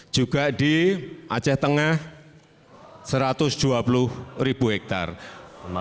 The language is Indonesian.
juga di aceh tengah satu ratus dua puluh ribu hektare